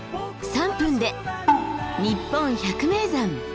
３分で「にっぽん百名山」。